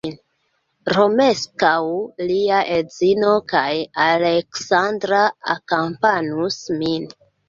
Romeskaŭ, lia edzino kaj Aleksandra akampanus min.